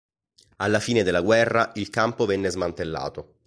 Alla fine della guerra il campo venne smantellato.